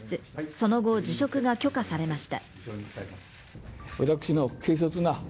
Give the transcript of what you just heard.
その後、辞職が許可されました。